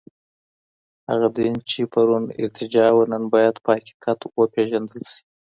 هغه دين چي پرون ارتجاع وه، نن بايد په حقيقت وپېژندل سي.